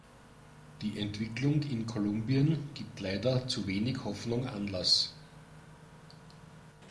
Die Entwicklung in Kolumbien gibt leider zu wenig Hoffnung Anlass.